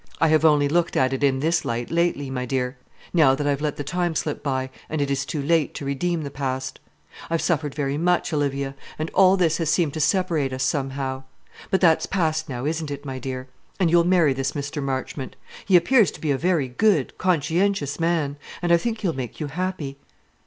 I have only looked at it in this light lately, my dear, now that I've let the time slip by, and it is too late to redeem the past. I've suffered very much, Olivia; and all this has seemed to separate us, somehow. But that's past now, isn't it, my dear? and you'll marry this Mr. Marchmont. He appears to be a very good, conscientious man, and I think he'll make you happy."